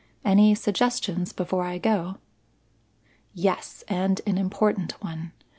"Any suggestions before I go?" "Yes, and an important one.